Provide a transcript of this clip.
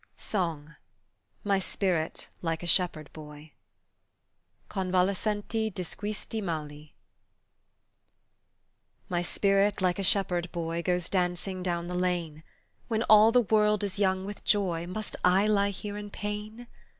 SONG: MY SPIRIT LIKE A SHEPHERD BOY "Convalescente di squisiti mali" MY spirit like a shepherd boy Goes dancing down the lane. When all the world is young with joy Must I lie here in pain?